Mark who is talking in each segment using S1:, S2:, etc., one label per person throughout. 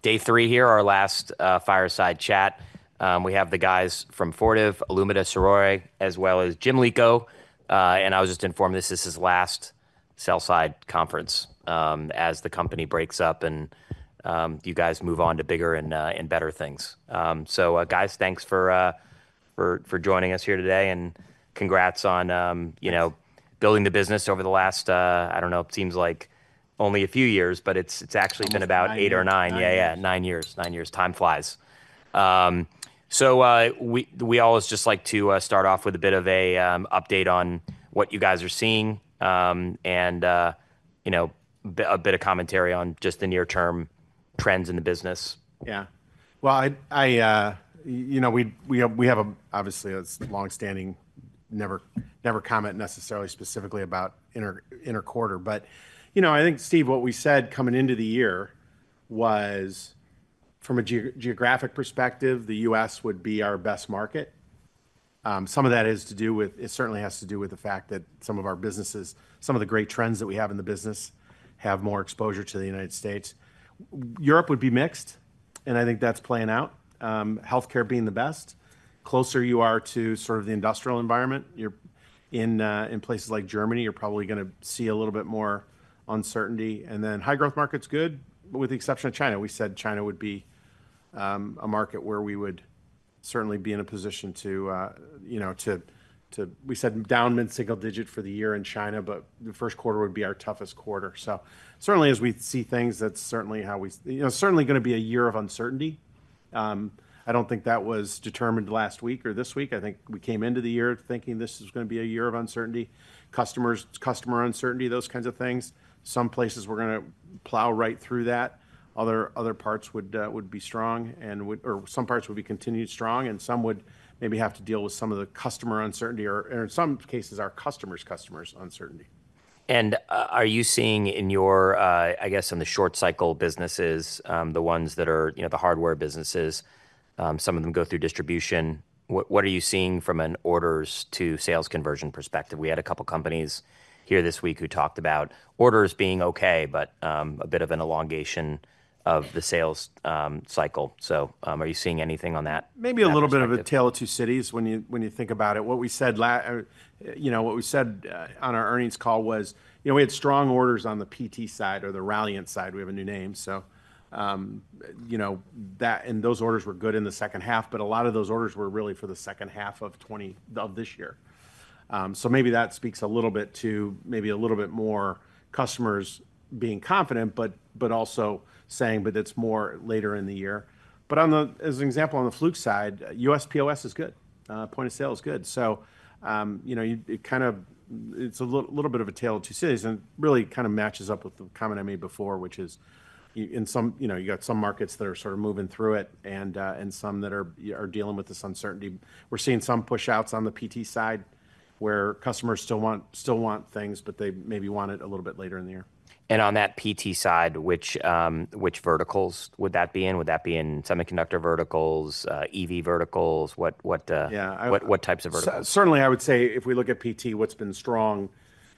S1: Day three here, our last fireside chat. We have the guys from Fortive, Olumide Soroye, as well as Jim Lico. I was just informed this is his last sell-side conference, as the company breaks up and you guys move on to bigger and better things. Guys, thanks for joining us here today and congrats on, you know, building the business over the last, I don't know, it seems like only a few years, but it's actually been about eight or nine. Yeah, yeah, nine years. Nine years. Time flies. We always just like to start off with a bit of an update on what you guys are seeing, and, you know, a bit of commentary on just the near-term trends in the business.
S2: Yeah. I, you know, we have, obviously, a longstanding, never comment necessarily specifically about interquarter, but, you know, I think, Steve, what we said coming into the year was from a geographic perspective, the U.S. would be our best market. Some of that has to do with, it certainly has to do with the fact that some of our businesses, some of the great trends that we have in the business have more exposure to the United States. Europe would be mixed, and I think that's playing out. Healthcare being the best. Closer you are to sort of the industrial environment, you're in, in places like Germany, you're probably gonna see a little bit more uncertainty. High-growth markets, good, with the exception of China. We said China would be a market where we would certainly be in a position to, you know, we said down mid-single digit for the year in China, but the first quarter would be our toughest quarter. Certainly, as we see things, that's certainly how we, you know, certainly gonna be a year of uncertainty. I don't think that was determined last week or this week. I think we came into the year thinking this was gonna be a year of uncertainty. Customers, customer uncertainty, those kinds of things. Some places were gonna plow right through that. Other parts would be strong and would, or some parts would be continued strong and some would maybe have to deal with some of the customer uncertainty or, in some cases, our customers' customers' uncertainty. Are you seeing in your, I guess in the short-cycle businesses, the ones that are, you know, the hardware businesses, some of them go through distribution. What are you seeing from an orders-to-sales conversion perspective? We had a couple companies here this week who talked about orders being okay, but a bit of an elongation of the sales cycle. Are you seeing anything on that? Maybe a little bit of a tale of two cities when you, when you think about it. What we said, you know, what we said on our earnings call was, you know, we had strong orders on the PT side or the Raliant side. We have a new name. So, you know, that, and those orders were good in the second half, but a lot of those orders were really for the second half of 2024, of this year. Maybe that speaks a little bit to maybe a little bit more customers being confident, but also saying, but it's more later in the year. As an example, on the Fluke side, U.S. POS is good. Point of sale is good. You know, it kind of, it's a little bit of a tale of two cities and really kind of matches up with the comment I made before, which is you in some, you know, you got some markets that are sort of moving through it and some that are dealing with this uncertainty. We're seeing some push-outs on the PT side where customers still want, still want things, but they maybe want it a little bit later in the year. On that PT side, which verticals would that be in? Would that be in semiconductor verticals, EV verticals? What types of verticals? Certainly, I would say if we look at PT, what's been strong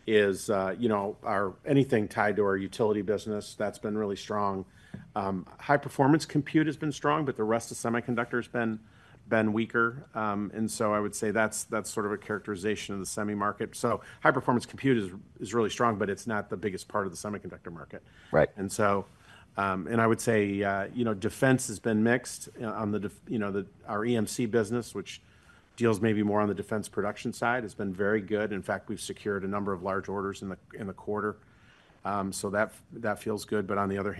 S2: is, you know, our, anything tied to our utility business, that's been really strong. High-performance compute has been strong, but the rest of semiconductor has been weaker. I would say that's sort of a characterization of the semi market. High-performance compute is really strong, but it's not the biggest part of the semiconductor market. Right. I would say, you know, defense has been mixed on the def, you know, our EMC business, which deals maybe more on the defense production side, has been very good. In fact, we've secured a number of large orders in the quarter, so that feels good. On the other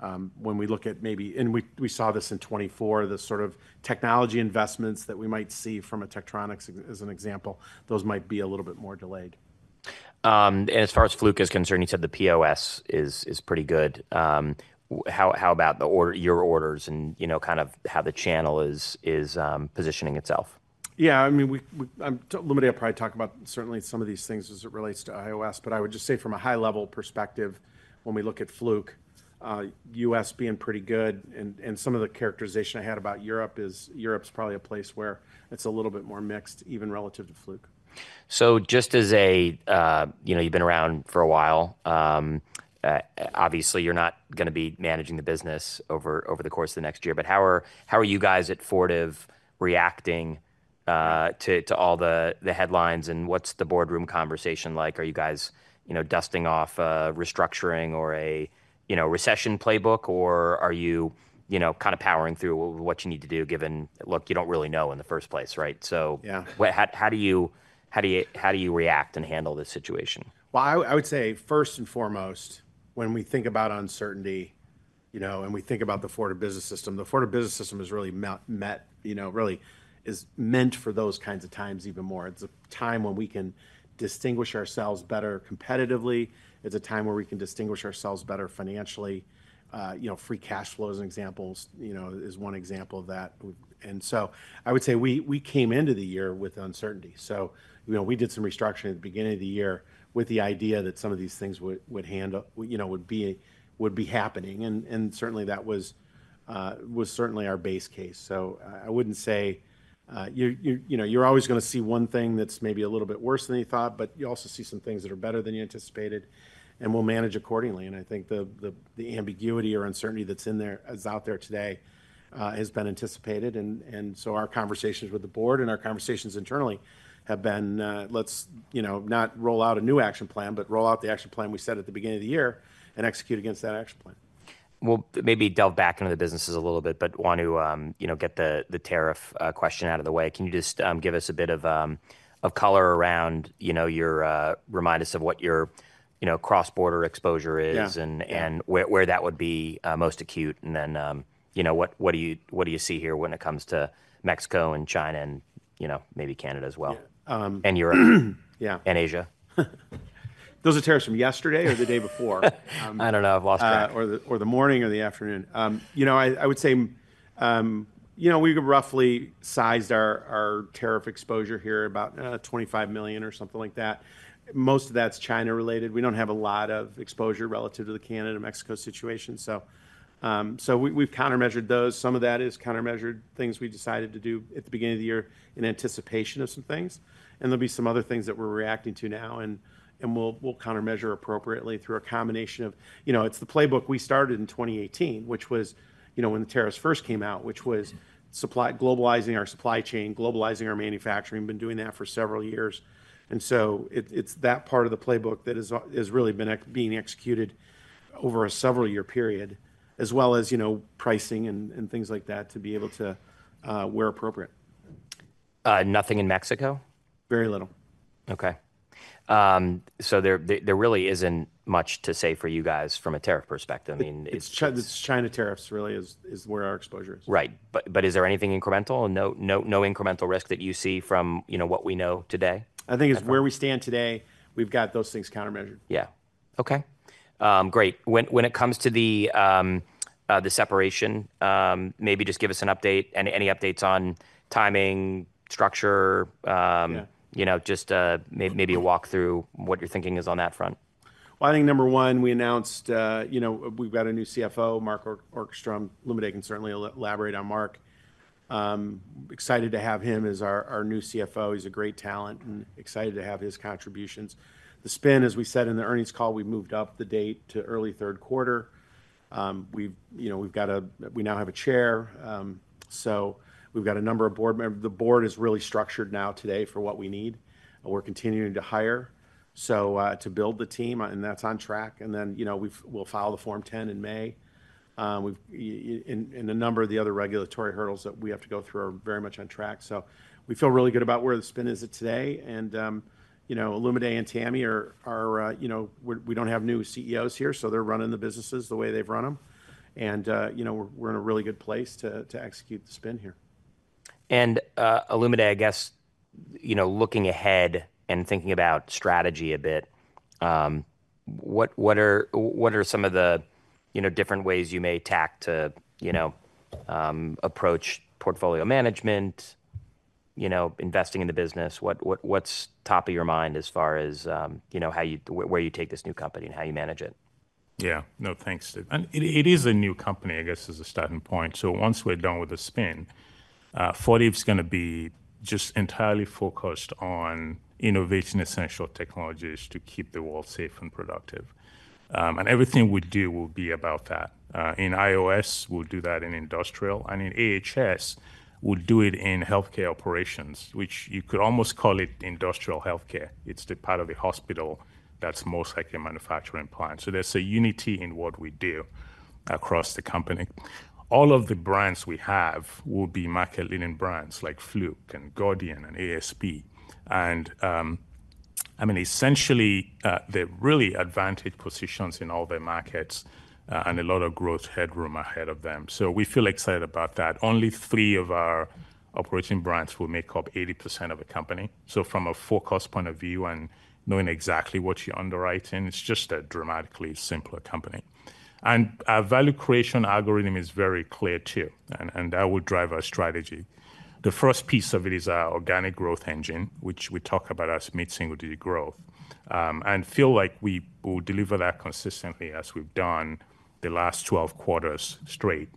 S2: hand, when we look at maybe, and we saw this in 2024, the sort of technology investments that we might see from a Tektronix as an example, those might be a little bit more delayed. As far as Fluke is concerned, you said the POS is pretty good. How about the order, your orders and, you know, kind of how the channel is positioning itself? Yeah, I mean, we, I'm limited, I probably talk about certainly some of these things as it relates to iOS, but I would just say from a high-level perspective, when we look at Fluke, U.S. being pretty good and some of the characterization I had about Europe is Europe's probably a place where it's a little bit more mixed even relative to Fluke. Just as a, you know, you've been around for a while, obviously you're not gonna be managing the business over the course of the next year, but how are you guys at Fortive reacting to all the headlines and what's the boardroom conversation like? Are you guys, you know, dusting off a restructuring or a, you know, recession playbook, or are you, you know, kind of powering through what you need to do given, look, you don't really know in the first place, right? Yeah. How do you react and handle this situation? I would say first and foremost, when we think about uncertainty, you know, and we think about the Fortive Business System, the Fortive Business System has really met, you know, really is meant for those kinds of times even more. It is a time when we can distinguish ourselves better competitively. It is a time where we can distinguish ourselves better financially. You know, free cash flow as an example, you know, is one example of that. I would say we came into the year with uncertainty. You know, we did some restructuring at the beginning of the year with the idea that some of these things would handle, you know, would be, would be happening. That was certainly our base case. I wouldn't say, you're, you know, you're always gonna see one thing that's maybe a little bit worse than you thought, but you also see some things that are better than you anticipated and we'll manage accordingly. I think the ambiguity or uncertainty that's in there, is out there today, has been anticipated. Our conversations with the board and our conversations internally have been, let's, you know, not roll out a new action plan, but roll out the action plan we set at the beginning of the year and execute against that action plan. We'll maybe delve back into the businesses a little bit, but want to, you know, get the, the tariff question out of the way. Can you just give us a bit of, of color around, you know, your, remind us of what your, you know, cross-border exposure is and where, where that would be most acute. You know, what, what do you see here when it comes to Mexico and China and, you know, maybe Canada as well? Europe. Yeah. And Asia. Those are tariffs from yesterday or the day before. I don't know. I've lost track. Or the morning or the afternoon. You know, I would say, you know, we've roughly sized our tariff exposure here about $25 million or something like that. Most of that's China-related. We don't have a lot of exposure relative to the Canada-Mexico situation. We have countermeasured those. Some of that is countermeasured things we decided to do at the beginning of the year in anticipation of some things. There will be some other things that we're reacting to now and we'll countermeasure appropriately through a combination of, you know, it's the playbook we started in 2018, which was when the tariffs first came out, which was globalizing our supply chain, globalizing our manufacturing, been doing that for several years. It's that part of the playbook that is really been being executed over a several-year period, as well as, you know, pricing and things like that to be able to, where appropriate. Nothing in Mexico? Very little. Okay, there really isn't much to say for you guys from a tariff perspective. I mean. It's China, it's China tariffs really is where our exposure is. Right. Is there anything incremental? No, no incremental risk that you see from, you know, what we know today? I think it's where we stand today, we've got those things countermeasured. Yeah. Okay. Great. When it comes to the separation, maybe just give us an update, any updates on timing, structure, you know, just maybe a walkthrough what your thinking is on that front. I think number one, we announced, you know, we've got a new CFO, Mark Okerstrom. Olumide can certainly elaborate on Mark. Excited to have him as our new CFO. He's a great talent and excited to have his contributions. The spin, as we said in the earnings call, we moved up the date to early third quarter. We've, you know, we've got a, we now have a chair. So we've got a number of board members. The board is really structured now today for what we need. We're continuing to hire to build the team, and that's on track. You know, we've, we'll file the Form 10 in May. We've, in a number of the other regulatory hurdles that we have to go through, are very much on track. We feel really good about where the spin is at today. You know, Olumide and Tami are, you know, we're, we do not have new CEOs here, so they are running the businesses the way they have run them. You know, we are in a really good place to execute the spin here. Olumide, I guess, you know, looking ahead and thinking about strategy a bit, what are, what are some of the, you know, different ways you may tack to, you know, approach portfolio management, you know, investing in the business? What, what, what's top of your mind as far as, you know, how you, where you take this new company and how you manage it?
S3: Yeah. No, thanks, Steve. It is a new company, I guess, as a starting point. Once we're done with the spin, Fortive's gonna be just entirely focused on innovating essential technologies to keep the world safe and productive. Everything we do will be about that. In iOS, we'll do that in industrial. In AHS, we'll do it in healthcare operations, which you could almost call it industrial healthcare. It's the part of the hospital that's most likely a manufacturing plant. There's a unity in what we do across the company. All of the brands we have will be market-leading brands like Fluke and Gordian and ASP. I mean, essentially, they're really advantage positions in all their markets, and a lot of growth headroom ahead of them. We feel excited about that. Only three of our operating brands will make up 80% of the company. From a forecast point of view and knowing exactly what you're underwriting, it's just a dramatically simpler company. Our value creation algorithm is very clear too, and that will drive our strategy. The first piece of it is our organic growth engine, which we talk about as mid-single-digit growth, and feel like we will deliver that consistently as we've done the last 12 quarters straight.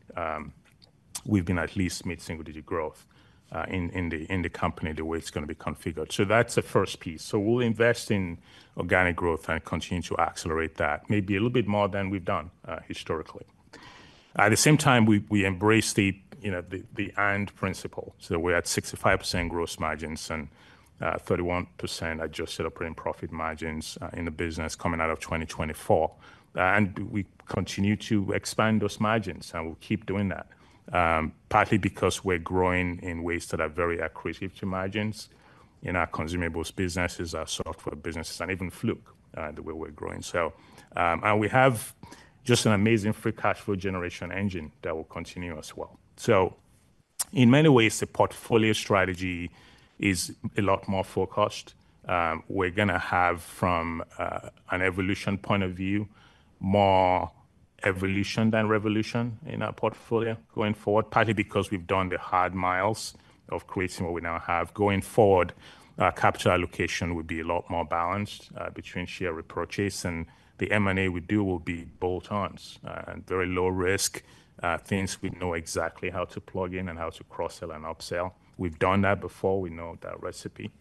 S3: We've been at least mid-single-digit growth in the company the way it's gonna be configured. That's the first piece. We'll invest in organic growth and continue to accelerate that, maybe a little bit more than we've done historically. At the same time, we embrace the, you know, the end principle. We're at 65% gross margins and 31% adjusted operating profit margins in the business coming out of 2024. We continue to expand those margins and we'll keep doing that, partly because we're growing in ways that are very accretive to margins in our consumables businesses, our software businesses, and even Fluke, the way we're growing. We have just an amazing free cash flow generation engine that will continue as well. In many ways, the portfolio strategy is a lot more forecast. We're gonna have, from an evolution point of view, more evolution than revolution in our portfolio going forward, partly because we've done the hard miles of creating what we now have. Going forward, our capture allocation will be a lot more balanced, between share repurchase and the M&A we do will be bolt-ons, and very low-risk, things we know exactly how to plug in and how to cross-sell and upsell. We've done that before. We know that recipe.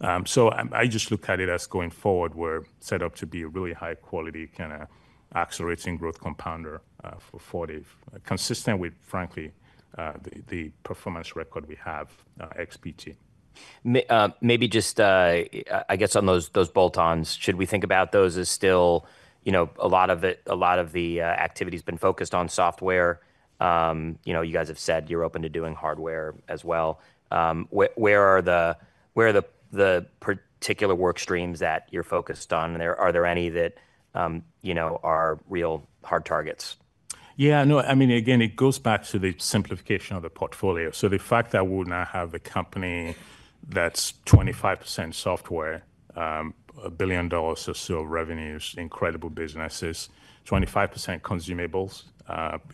S3: I just look at it as going forward, we're set up to be a really high-quality kind of accelerating growth compounder, for Fortive, consistent with, frankly, the performance record we have, XPT. Maybe just, I guess on those bolt-ons, should we think about those as still, you know, a lot of it, a lot of the activity has been focused on software. You know, you guys have said you're open to doing hardware as well. Where are the, where are the particular work streams that you're focused on? Are there any that, you know, are real hard targets? Yeah. No, I mean, again, it goes back to the simplification of the portfolio. The fact that we'll now have a company that's 25% software, $1 billion or so revenues, incredible businesses, 25% consumables,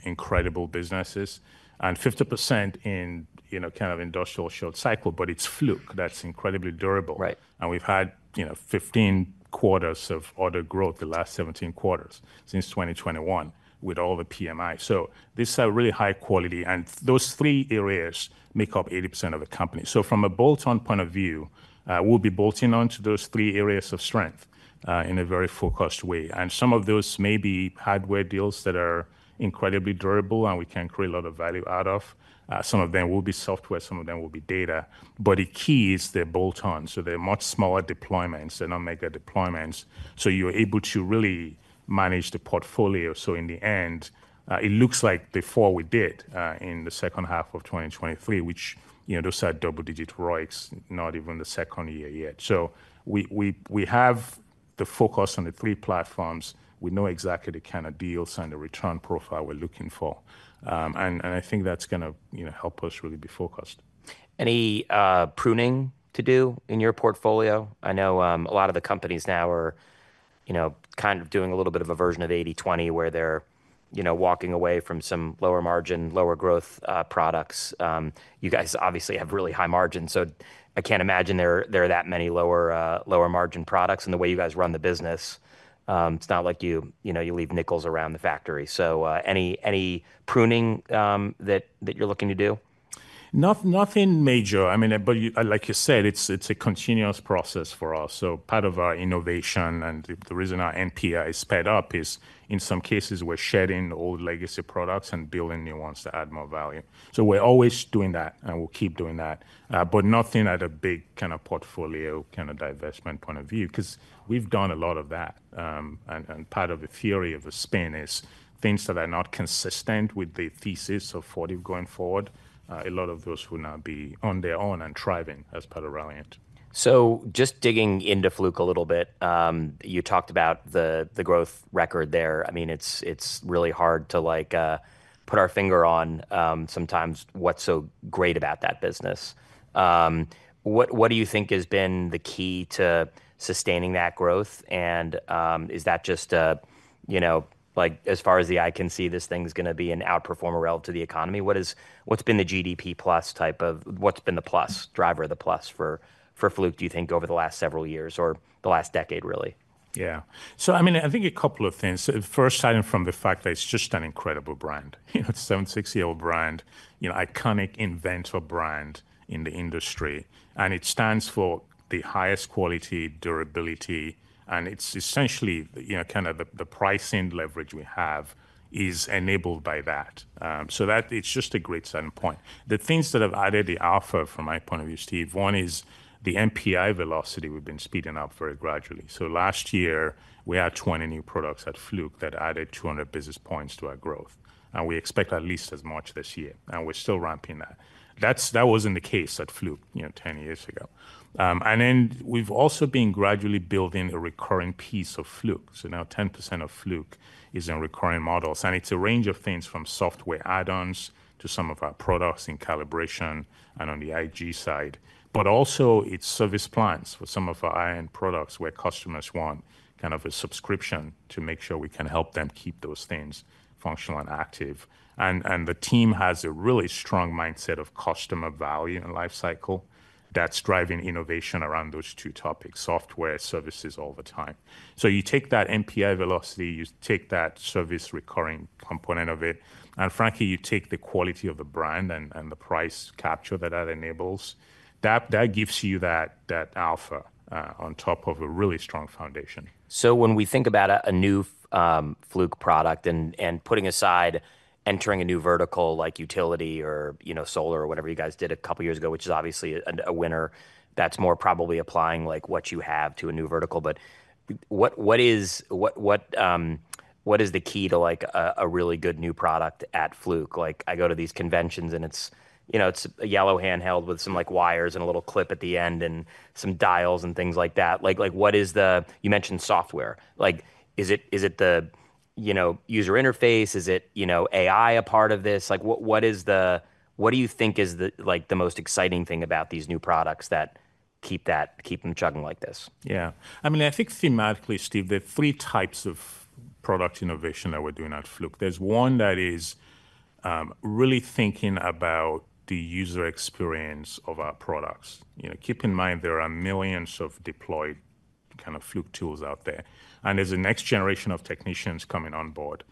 S3: incredible businesses, and 50% in, you know, kind of industrial short cycle, but it's Fluke that's incredibly durable. Right. We have had, you know, 15 quarters of order growth the last 17 quarters since 2021 with all the PMI. These are really high quality. Those three areas make up 80% of the company. From a bolt-on point of view, we will be bolting onto those three areas of strength in a very focused way. Some of those may be hardware deals that are incredibly durable and we can create a lot of value out of. Some of them will be software, some of them will be data. The key is they are bolt-on, so they are much smaller deployments, they are not mega deployments. You are able to really manage the portfolio. In the end, it looks like before we did, in the second half of 2023, which, you know, those are double-digit ROICs, not even the second year yet. We have the focus on the three platforms. We know exactly the kind of deals and the return profile we're looking for, and I think that's gonna, you know, help us really be focused. Any pruning to do in your portfolio? I know a lot of the companies now are, you know, kind of doing a little bit of a version of 80/20 where they're, you know, walking away from some lower margin, lower growth products. You guys obviously have really high margins. I can't imagine there are that many lower, lower margin products in the way you guys run the business. It's not like you, you know, you leave nickels around the factory. Any pruning that you're looking to do? Nothing, nothing major. I mean, like you said, it's a continuous process for us. Part of our innovation and the reason our NPI is sped up is in some cases we're shedding old legacy products and building new ones to add more value. We're always doing that and we'll keep doing that, but nothing at a big kind of portfolio kind of divestment point of view, 'cause we've done a lot of that. Part of the theory of the spin is things that are not consistent with the thesis of Fortive going forward. A lot of those will now be on their own and thriving as part of Raliant. Just digging into Fluke a little bit, you talked about the growth record there. I mean, it's really hard to like, put our finger on, sometimes what's so great about that business. What do you think has been the key to sustaining that growth? Is that just a, you know, like as far as the eye can see, this thing's gonna be an outperformer relative to the economy? What is, what's been the GDP plus type of, what's been the plus driver, the plus for Fluke, do you think over the last several years or the last decade really? Yeah. I mean, I think a couple of things. First, starting from the fact that it's just an incredible brand, you know, it's a 76-year-old brand, you know, iconic inventor brand in the industry. It stands for the highest quality, durability. It's essentially, you know, kind of the pricing leverage we have is enabled by that, so that it's just a great selling point. The things that have added to the offer from my point of view, Steve, one is the NPI velocity we've been speeding up very gradually. Last year we had 20 new products at Fluke that added 200 basis points to our growth. We expect at least as much this year. We're still ramping that. That wasn't the case at Fluke, you know, 10 years ago. We've also been gradually building a recurring piece of Fluke. Now 10% of Fluke is in recurring models. It's a range of things from software add-ons to some of our products in calibration and on the IG side, but also it's service plans for some of our end products where customers want kind of a subscription to make sure we can help them keep those things functional and active. The team has a really strong mindset of customer value and lifecycle that's driving innovation around those two topics, software services all the time. You take that NPI velocity, you take that service recurring component of it, and frankly, you take the quality of the brand and the price capture that that enables, that gives you that alpha, on top of a really strong foundation. When we think about a new Fluke product and putting aside entering a new vertical like utility or, you know, solar or whatever you guys did a couple years ago, which is obviously a winner that's more probably applying what you have to a new vertical, but what is the key to a really good new product at Fluke? Like I go to these conventions and it's, you know, it's a yellow handheld with some wires and a little clip at the end and some dials and things like that. Like, like what is the, you mentioned software. Like is it the, you know, user interface? Is it, you know, AI a part of this? Like what, what is the, what do you think is the, like the most exciting thing about these new products that keep, that keep 'em chugging like this? Yeah. I mean, I think thematically, Steve, there are three types of product innovation that we're doing at Fluke. There's one that is really thinking about the user experience of our products. You know, keep in mind there are millions of deployed kind of Fluke tools out there. And there's a next generation of technicians coming on board.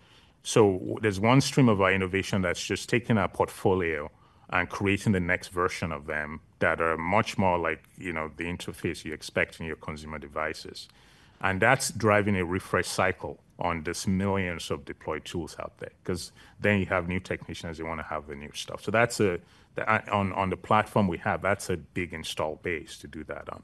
S3: There is one stream of our innovation that's just taking our portfolio and creating the next version of them that are much more like, you know, the interface you expect in your consumer devices. That's driving a refresh cycle on this millions of deployed tools out there. 'Cause then you have new technicians, you want to have the new stuff. That's a, on the platform we have, that's a big install base to do that on.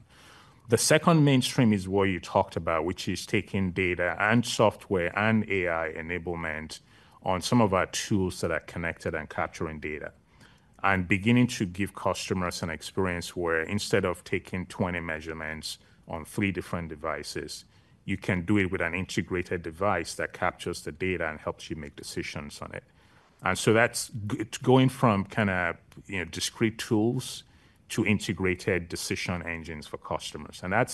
S3: The second mainstream is what you talked about, which is taking data and software and AI enablement on some of our tools that are connected and capturing data and beginning to give customers an experience where instead of taking 20 measurements on three different devices, you can do it with an integrated device that captures the data and helps you make decisions on it. That is going from kind of, you know, discrete tools to integrated decision engines for customers. That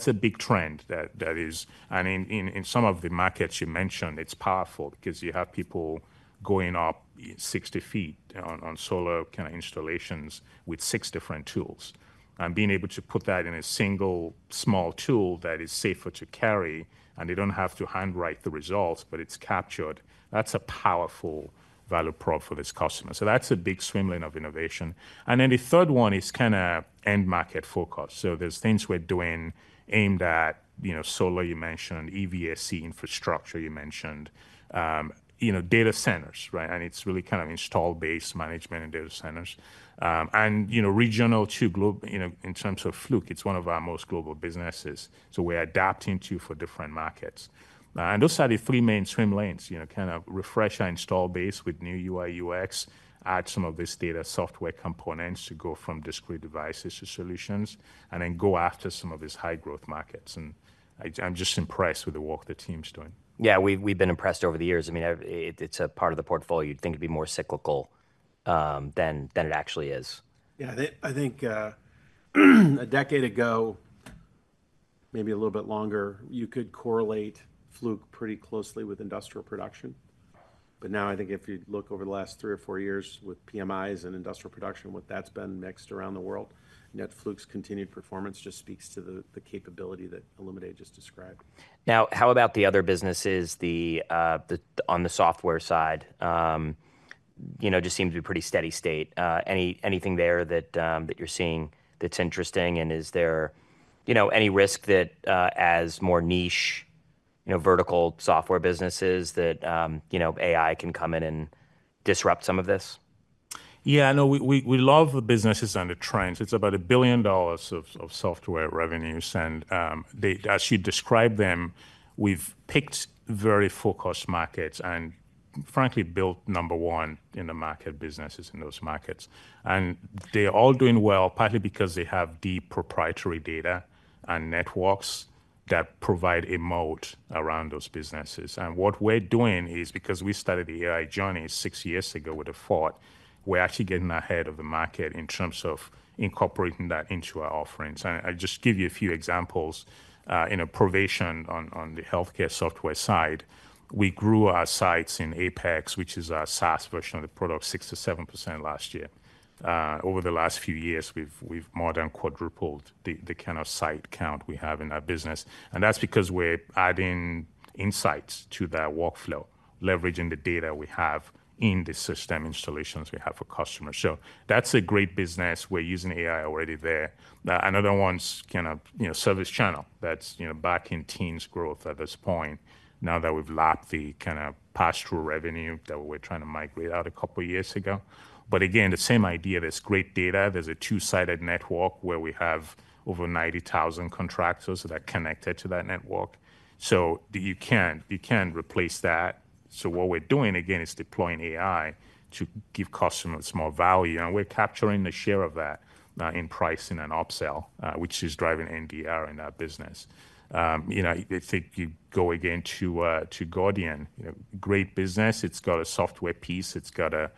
S3: is a big trend that is. In some of the markets you mentioned, it's powerful because you have people going up 60 feet on solar kind of installations with six different tools. Being able to put that in a single small tool that is safer to carry and they don't have to handwrite the results, but it's captured, that's a powerful value prop for this customer. That's a big swim lane of innovation. The third one is kind of end market focus. There are things we're doing aimed at, you know, solar you mentioned, EVSE infrastructure you mentioned, you know, data centers, right? It's really kind of install-based management and data centers. You know, regional to global, you know, in terms of Fluke, it's one of our most global businesses. We're adapting to for different markets. Those are the three main swim lanes, you know, kind of refresh our install base with new UI/UX, add some of this data software components to go from discrete devices to solutions, and then go after some of these high growth markets. I, I'm just impressed with the work the team's doing. Yeah, we, we've been impressed over the years. I mean, it, it's a part of the portfolio. You'd think it'd be more cyclical than, than it actually is.
S2: Yeah, they, I think, a decade ago, maybe a little bit longer, you could correlate Fluke pretty closely with industrial production. Now I think if you look over the last three or four years with PMIs and industrial production, what that's been mixed around the world, Fluke's continued performance just speaks to the capability that Olumide just described. Now, how about the other businesses, the, the, on the software side, you know, just seems to be pretty steady state. Any, anything there that, that you're seeing that's interesting? And is there, you know, any risk that, as more niche, you know, vertical software businesses that, you know, AI can come in and disrupt some of this?
S3: Yeah, no, we love the businesses and the trends. It's about $1 billion of software revenues. They, as you describe them, we've picked very focused markets and frankly built number one in the market businesses in those markets. They're all doing well, partly because they have deep proprietary data and networks that provide a moat around those businesses. What we're doing is because we started the AI journey six years ago with a thought, we're actually getting ahead of the market in terms of incorporating that into our offerings. I'll just give you a few examples, in a Provation on the healthcare software side. We grew our sites in Apex, which is our SaaS version of the product, 6%-7% last year. Over the last few years, we've more than quadrupled the kind of site count we have in our business. That's because we're adding insights to that workflow, leveraging the data we have in the system installations we have for customers. That's a great business. We're using AI already there. Another one's kind of, you know, ServiceChannel that's, you know, back in teens growth at this point now that we've lapped the kind of pass-through revenue that we were trying to migrate out a couple of years ago. Again, the same idea, there's great data, there's a two-sided network where we have over 90,000 contractors that are connected to that network. You can't replace that. What we're doing again is deploying AI to give customers more value. We're capturing the share of that, in pricing and upsell, which is driving NDR in our business. You know, I think you go again to Guardian, you know, great business. It's got a software piece, it's got a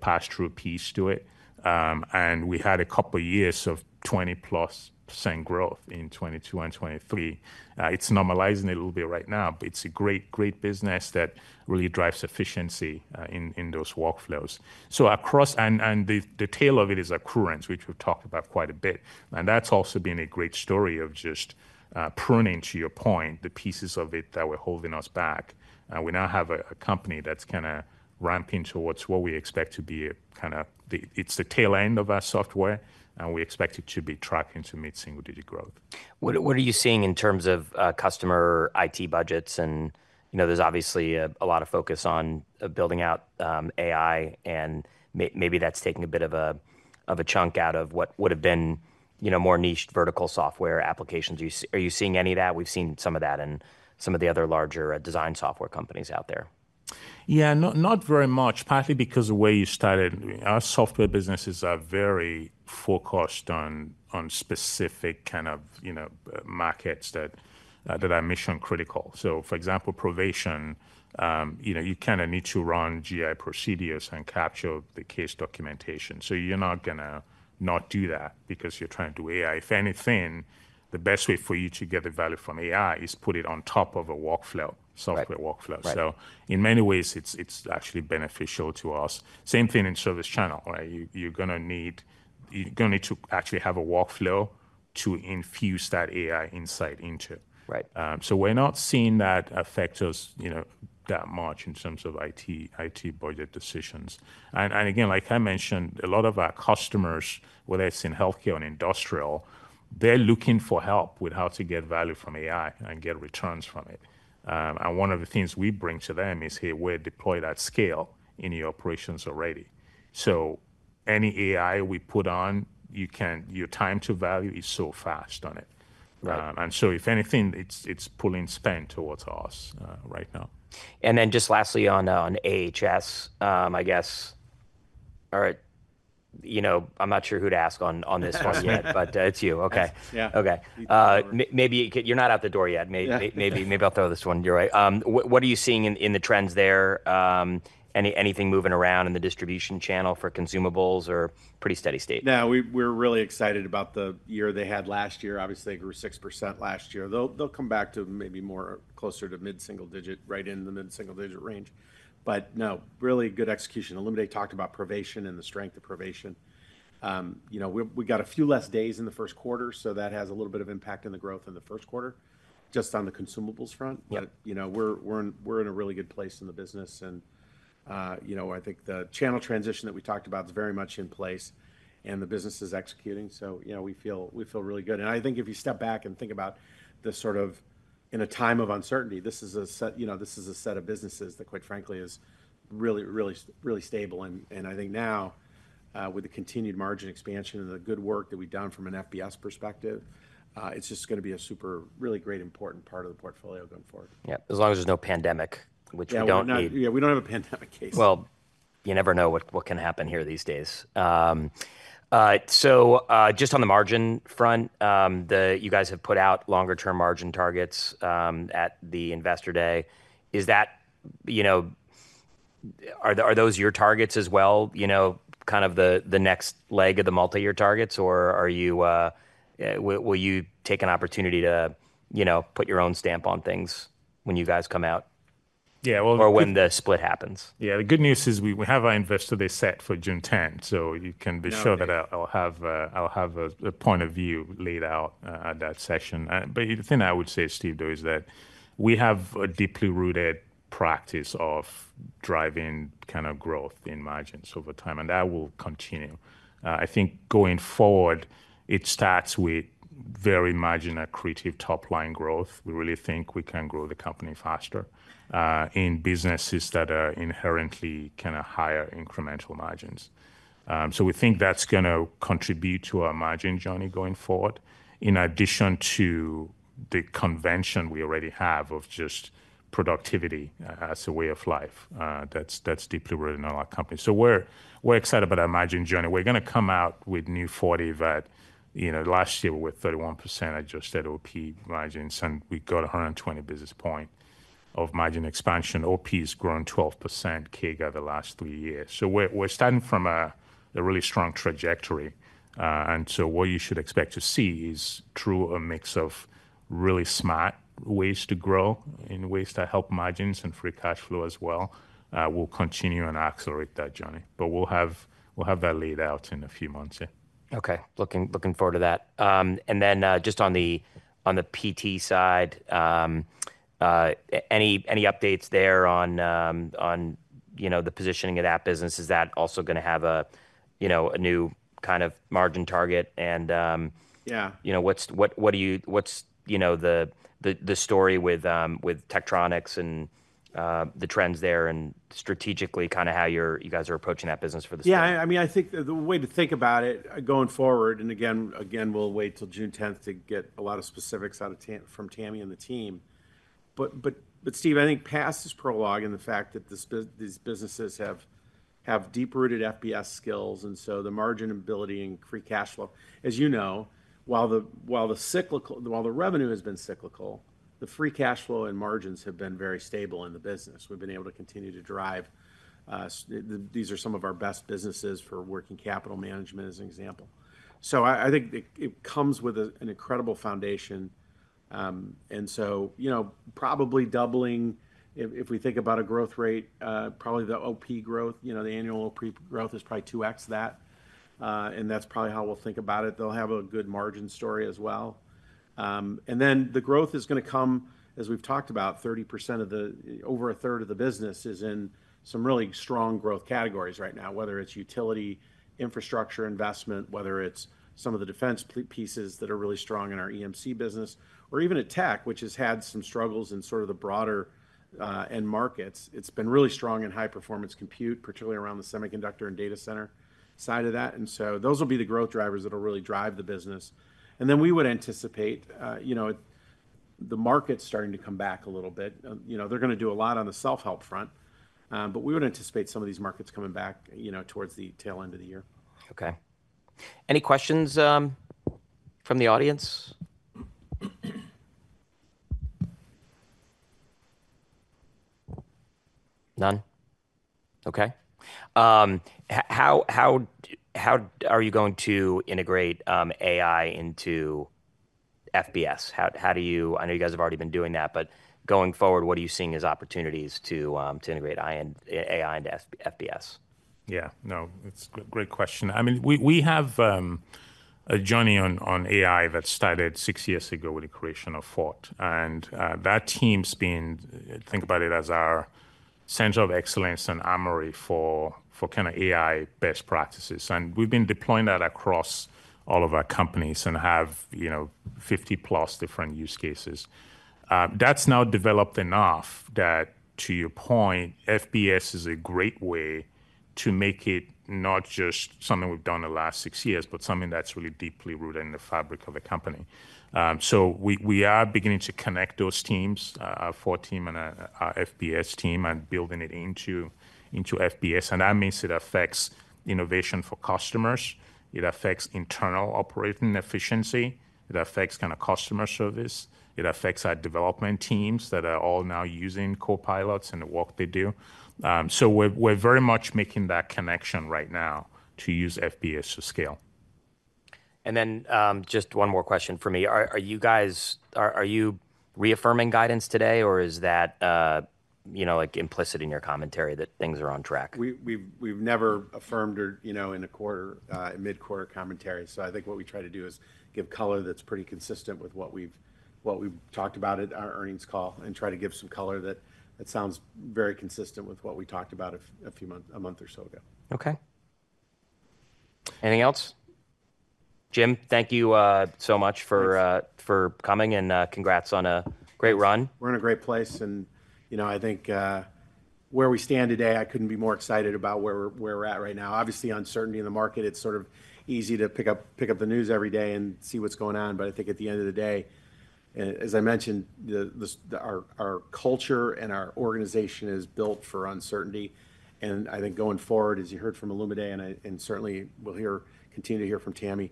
S3: pass-through piece to it. We had a couple of years of 20%+ growth in 2022 and 2023. It's normalizing a little bit right now, but it's a great, great business that really drives efficiency in those workflows. Across, the tail of it is Accruent, which we've talked about quite a bit. That's also been a great story of just pruning, to your point, the pieces of it that were holding us back. We now have a company that's kind of ramping towards what we expect to be kind of the tail end of our software, and we expect it to be tracking to meet single-digit growth. What are you seeing in terms of customer IT budgets? You know, there's obviously a lot of focus on building out AI and maybe that's taking a bit of a chunk out of what would've been, you know, more niched vertical software applications. Are you seeing any of that? We've seen some of that in some of the other larger design software companies out there. Yeah, not, not very much, partly because of where you started. Our software businesses are very focused on, on specific kind of, you know, markets that, that are mission critical. For example, Provation, you know, you kind of need to run GI procedures and capture the case documentation. You are not gonna not do that because you are trying to do AI. If anything, the best way for you to get the value from AI is put it on top of a workflow, software workflow. In many ways, it is actually beneficial to us. Same thing in Service Channel, right? You are gonna need, you are gonna need to actually have a workflow to infuse that AI insight into. Right. We're not seeing that affect us, you know, that much in terms of IT, IT budget decisions. And again, like I mentioned, a lot of our customers, whether it's in healthcare or industrial, they're looking for help with how to get value from AI and get returns from it. One of the things we bring to them is, hey, we're deployed at scale in your operations already. So any AI we put on, your time to value is so fast on it. Right. If anything, it's pulling spend towards us right now. Lastly on AHS, I guess, all right, you know, I'm not sure who to ask on this one yet, but, it's you. Okay.
S2: Yeah. Okay. Maybe you're not out the door yet. Maybe, maybe I'll throw this one. You're right. What are you seeing in the trends there? Anything moving around in the distribution channel for consumables or pretty steady state? No, we, we're really excited about the year they had last year. Obviously, they grew 6% last year. They'll, they'll come back to maybe more closer to mid-single digit, right in the mid-single digit range. No, really good execution. Olumide talked about Provation and the strength of Provation. You know, we, we got a few less days in the first quarter, so that has a little bit of impact in the growth in the first quarter just on the consumables front. Yeah. You know, we're in a really good place in the business. You know, I think the channel transition that we talked about is very much in place and the business is executing. You know, we feel really good. I think if you step back and think about the sort of, in a time of uncertainty, this is a set, you know, this is a set of businesses that quite frankly is really, really, really stable. I think now, with the continued margin expansion and the good work that we've done from an FBS perspective, it's just gonna be a super, really great important part of the portfolio going forward. Yeah. As long as there's no pandemic, which we don't need. Yeah. Yeah, we don't have a pandemic case. You never know what can happen here these days. Just on the margin front, you guys have put out longer-term margin targets at the investor day. Is that, you know, are those your targets as well? You know, kind of the next leg of the multi-year targets, or will you take an opportunity to, you know, put your own stamp on things when you guys come out? Yeah. Well. Or when the split happens?
S3: Yeah. The good news is we have our investor day set for June 10th, so you can be sure that I'll have a point of view laid out at that session. The thing I would say, Steve, though, is that we have a deeply rooted practice of driving kind of growth in margins over time, and that will continue. I think going forward, it starts with very margin accretive top line growth. We really think we can grow the company faster in businesses that are inherently kind of higher incremental margins. We think that's gonna contribute to our margin journey going forward in addition to the convention we already have of just productivity as a way of life. That's deeply rooted in our company. We are excited about our margin journey. We're gonna come out with new 40 that, you know, last year we were 31% adjusted OP margins and we got 120 basis points of margin expansion. OP has grown 12% CAGR the last three years. We're starting from a really strong trajectory, and so what you should expect to see is through a mix of really smart ways to grow in ways that help margins and free cash flow as well. We'll continue and accelerate that journey, but we'll have that laid out in a few months. Yeah. Okay. Looking forward to that. And then, just on the PT side, any updates there on, you know, the positioning of that business? Is that also gonna have a, you know, a new kind of margin target? And,
S2: Yeah. You know, what's, what are you, what's, you know, the story with, with Tektronix and the trends there and strategically kind of how you're, you guys are approaching that business for the spot? Yeah. I mean, I think the way to think about it going forward, and again, we'll wait till June 10th to get a lot of specifics outta Tammy and the team. But Steve, I think past is prologue and the fact that these businesses have deep-rooted FBS skills and so the margin ability and free cash flow, as you know, while the revenue has been cyclical, the free cash flow and margins have been very stable in the business. We've been able to continue to drive, these are some of our best businesses for working capital management as an example. So I think it comes with an incredible foundation. And so, you know, probably doubling if, if we think about a growth rate, probably the OP growth, you know, the annual OP growth is probably 2x that, and that's probably how we'll think about it. They'll have a good margin story as well. And then the growth is gonna come, as we've talked about, 30% of the, over a third of the business is in some really strong growth categories right now, whether it's utility infrastructure investment, whether it's some of the defense pieces that are really strong in our EMC business, or even at Tek, which has had some struggles in sort of the broader end markets. It's been really strong in high performance compute, particularly around the semiconductor and data center side of that. And so those will be the growth drivers that'll really drive the business. We would anticipate, you know, the market's starting to come back a little bit. You know, they're gonna do a lot on the self-help front. We would anticipate some of these markets coming back, you know, towards the tail end of the year. Okay. Any questions from the audience? None? Okay. How are you going to integrate AI into FBS? How do you, I know you guys have already been doing that, but going forward, what are you seeing as opportunities to integrate I and AI into FBS?
S3: Yeah. No, it's a great question. I mean, we have a journey on AI that started six years ago with the creation of Fort. That team's been, think about it as our center of excellence and armory for kind of AI best practices. We've been deploying that across all of our companies and have, you know, 50 plus different use cases. That's now developed enough that to your point, FBS is a great way to make it not just something we've done the last six years, but something that's really deeply rooted in the fabric of the company. We are beginning to connect those teams, our Fort team and our FBS team, and building it into FBS. That means it affects innovation for customers. It affects internal operating efficiency. It affects kind of customer service. It affects our development teams that are all now using Copilots and the work they do. We're very much making that connection right now to use FBS to scale. Just one more question for me. Are you guys, are you reaffirming guidance today or is that, you know, like implicit in your commentary that things are on track?
S2: We have never affirmed or, you know, in a quarter, mid-quarter commentary. I think what we try to do is give color that is pretty consistent with what we have talked about at our earnings call and try to give some color that sounds very consistent with what we talked about a few months, a month or so ago. Okay. Anything else? Jim, thank you so much for coming, and congrats on a great run. We're in a great place. You know, I think, where we stand today, I couldn't be more excited about where we're at right now. Obviously, uncertainty in the market, it's sort of easy to pick up the news every day and see what's going on. I think at the end of the day, as I mentioned, our culture and our organization is built for uncertainty. I think going forward, as you heard from Olumide and I, and certainly we'll continue to hear from Tammy,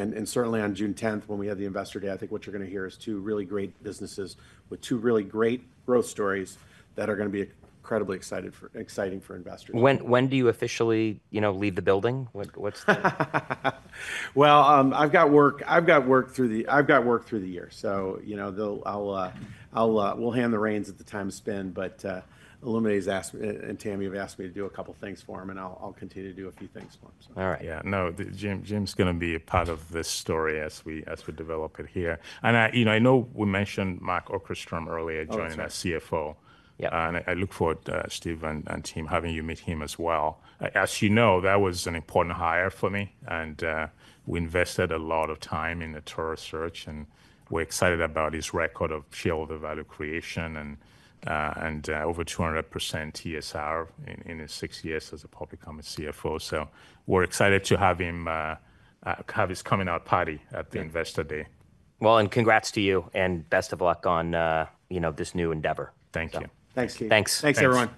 S2: and certainly on June 10th when we have the investor day, I think what you're gonna hear is two really great businesses with two really great growth stories that are gonna be incredibly exciting for investors. When do you officially, you know, leave the building? What, what's the? I've got work through the year. You know, they'll, I'll, we'll hand the reins at the time spin. Olumide has asked me, and Tami have asked me to do a couple things for 'em and I'll, I'll continue to do a few things for 'em. All right.
S3: Yeah. No, Jim, Jim's gonna be a part of this story as we, as we develop it here. I, you know, I know we mentioned Mark Okerstrom earlier joining as CFO. Yeah. I look forward, Steve and team, to having you meet him as well. As you know, that was an important hire for me. We invested a lot of time in the tour search and we are excited about his record of shareholder value creation and over 200% TSR in his six years as a public company CFO. We are excited to have him, have his coming out party at the investor day. Congrats to you and best of luck on, you know, this new endeavor. Thank you.
S2: Thanks, Steve. Thanks. Thanks, everyone.